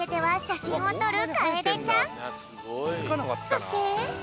そして。